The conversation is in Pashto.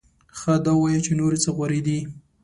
ښه دا ووایه چې نورې څه غورې دې؟